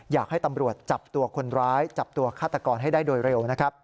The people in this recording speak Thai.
อยากให้ตำรวจจับตัวคนร้ายจับตัวฆาตกรให้ได้โดยเร็วนะครับ